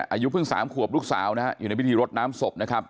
อายุเพิ่ง๓ขวบลูกสาวนะฮะอยู่ในพิธีรดน้ำศพนะครับ